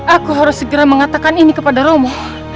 aku harus segera mengatakan ini kepada romo